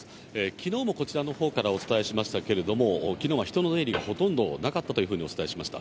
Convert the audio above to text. きのうもこちらのほうからお伝えしましたけれども、きのうは人の出入りがほとんどなかったというふうにお伝えしました。